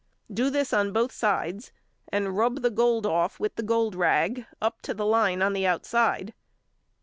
Do this on both sides, and rub the gold off with the gold rag up to the line on the outside.